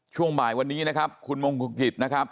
ช่วงบ่ายวันนี้นะครับคุณมงกุกิจนะครับ